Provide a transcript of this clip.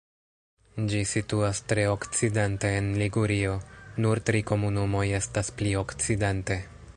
Ĝi situas tre okcidente en Ligurio; nur tri komunumoj estas pli okcidente.